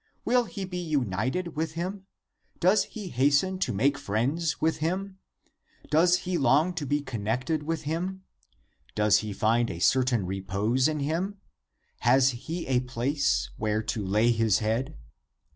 Will he be united with him ? Does he hasten to make friends with him? Does he long to be connected with him ? Does he find a certain repose in him? Has he a place where to lay his head?